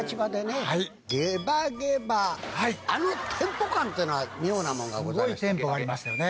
『ゲバゲバ』あのテンポ感っていうのは妙なものがございましたけど。